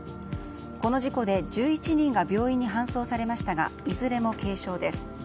この事故で１１人が病院に搬送されましたがいずれも軽傷です。